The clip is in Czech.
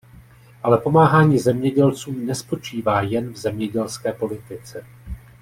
Ale pomáhání zemědělcům nespočívá jen v zemědělské politice.